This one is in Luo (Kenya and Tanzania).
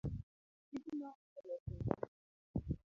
Tijno okelo sunga